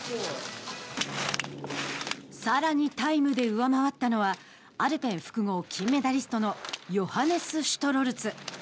さらにタイムで上回ったのはアルペン複合金メダリストのヨハネス・シュトロルツ。